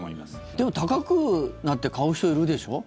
でも、高くなって買う人いるでしょ。